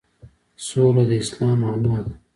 سوله د اسلام معنی ده